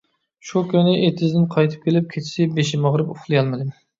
شۇ كۈنى ئېتىزدىن قايتىپ كېلىپ، كېچىسى بېشىم ئاغرىپ ئۇخلىيالمىدىم.